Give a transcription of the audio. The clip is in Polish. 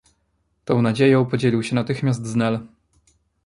Tą nadzieją podzielił się natychmiast z Nel.